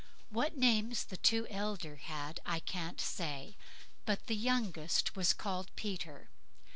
What the names the two elder had I can't say, but the youngest he was called Peter.